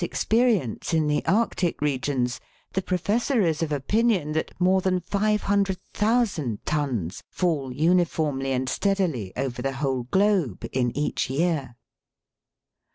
experience in the Arctic regions, the Professor is of opinion that more than 500,000 tons fall uniformly and steadily over the whole globe in each year.